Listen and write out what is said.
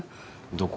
どこ？